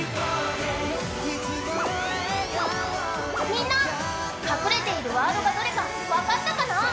みんな、隠れているワードがどれか分かったかな？